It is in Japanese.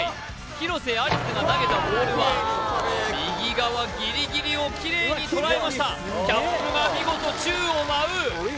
広瀬アリスが投げたボールは右側ギリギリをきれいにとらえましたキャップが見事宙を舞う！